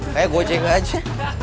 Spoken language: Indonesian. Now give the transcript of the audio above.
kayaknya gue cek aja